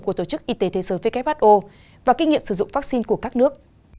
của tổ chức y tế thế giới who và kinh nghiệm sử dụng vaccine của các nước